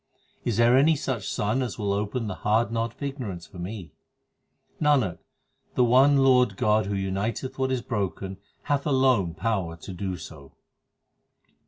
Is there any such sun 1 as will open the hard knot of ignorance for me ? Nanak, the one Lord God who uniteth what is broken hath alone power to do so.